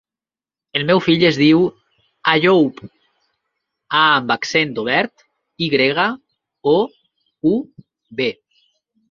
El meu fill es diu Àyoub: a amb accent obert, i grega, o, u, be.